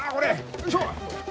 よいしょ！